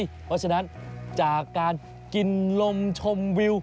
เพราะฉะนั้นจากการกินลมชมวิว